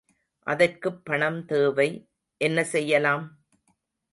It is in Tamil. அதற்குப் பணம் தேவை, என்ன செய்யலாம்?